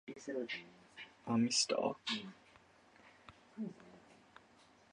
ゆうすけの父親は童貞